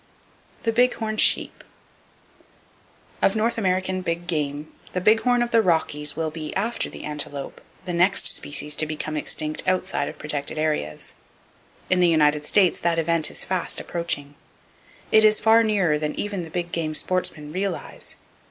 The Big Horn Sheep. —Of North American big game, the big horn of the Rockies will be, after the antelope, the next species to become extinct outside of protected areas. In the United States that event is fast approaching. It is far nearer than even the big game sportsmen realize.